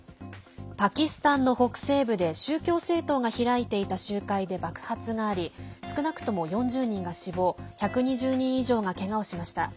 パキスタンの北西部で宗教政党が開いていた集会で爆発があり少なくとも４０人が死亡１２０人以上がけがをしました。